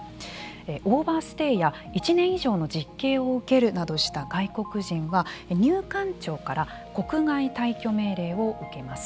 オーバーステイや１年以上の実刑を受けるなどした外国人は入管庁から国外退去命令を受けます。